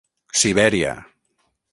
Sibèria.